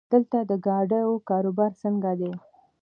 دلته د ګاډو کاروبار څنګه دی؟